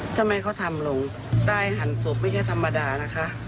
ทำไมเขาทำลงใต้หันศพไม่ใช่ธรรมดานะคะ